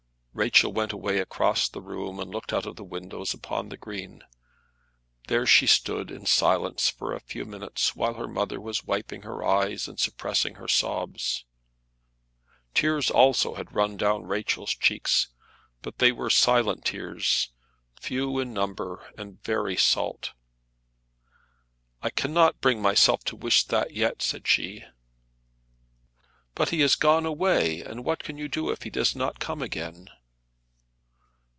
Rachel went away across the room and looked out of the window upon the green. There she stood in silence for a few minutes while her mother was wiping her eyes and suppressing her sobs. Tears also had run down Rachel's cheeks; but they were silent tears, few in number and very salt. "I cannot bring myself to wish that yet," said she. "But he has gone away, and what can you do if he does not come again?"